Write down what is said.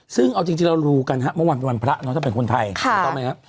ซึ่งเอาจริงเรารู้กันฮะเมื่อวานเป็นวันพระถ้าเป็นคนไทย